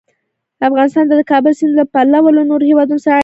افغانستان د د کابل سیند له پلوه له نورو هېوادونو سره اړیکې لري.